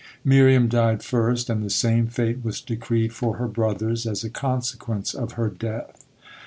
Miriam died first, and the same fate was decreed for her brothers as a consequence of her death.